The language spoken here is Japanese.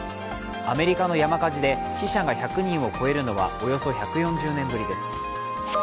アメリカの山火事で死者が１００人を超えるのはおよそ１４０年ぶりです